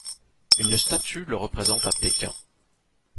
Une statue le représente à Pékin.